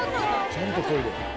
ちゃんとトイレや。